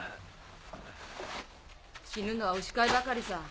死ぬのは牛飼いばかりさ。